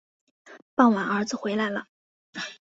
傍晚儿子回来了